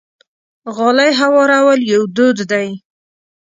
غالۍ هوارول یو دود دی.